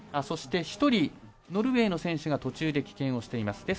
そして１人、ノルウェーの選手が途中で棄権しています。